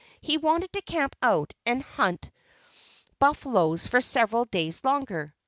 He wanted to camp out and hunt buffaloes for several days longer.